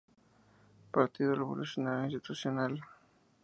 Partido Revolucionario Institucional.